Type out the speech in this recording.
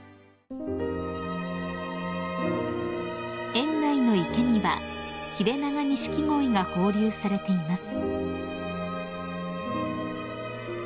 ［園内の池にはヒレナガニシキゴイが放流されています］